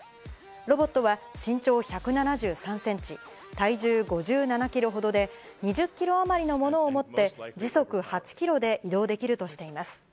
ロボットは身長１７３センチ、体重５７キロほどで、２０キロ余りの物を持って、時速８キロで移動できるとしています。